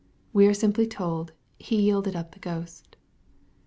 Wo are simply told, " He yielded up the ghost."